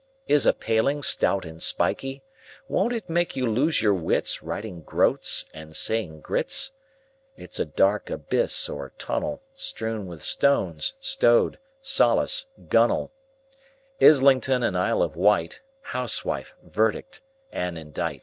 — Is a paling, stout and spikey; Won't it make you lose your wits, Writing "groats" and saying groats? It's a dark abyss or tunnel, Strewn with stones, like rowlock, gunwale, Islington and Isle of Wight, Housewife, verdict and indict!